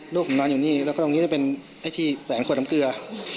ลูกผมนอนอยู่นี่แล้วก็ตรงนี้จะเป็นไอ้ที่แขวนขวดน้ำเกลือ